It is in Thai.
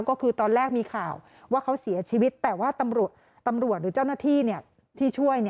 ก็คือตอนแรกมีข่าวว่าเขาเสียชีวิตแต่ว่าตำรวจหรือเจ้าหน้าที่ที่ช่วย